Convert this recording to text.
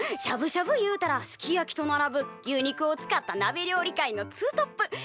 しゃぶしゃぶ言うたらすき焼きと並ぶ牛肉を使ったなべ料理界のツートップ。